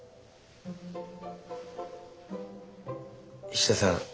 石田さん